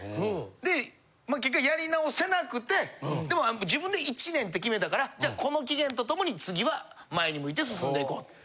でまあ結局やり直せなくてでも自分で１年って決めたからじゃあこの期限と共に次は前に向いて進んでいこうと。